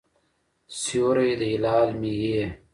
سیوری د هلال مې یې